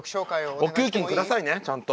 お給金下さいねちゃんと。